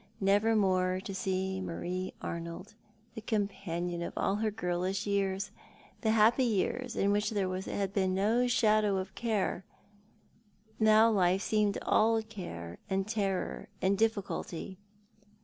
Never more to see Marie Arnold — the companion of all her girhsh years, the happy years in which there had been no shadow of care. Now life seemed all care, and terror, and difficulty.